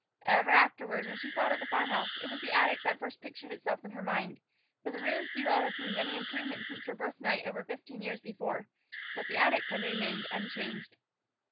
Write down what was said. Ever afterward, when she thought of the farm house, it was the attic that first pictured itself in her mind, for the rooms below had seen many improvements since her birth night over fifteen years before, but the attic had remained unchanged.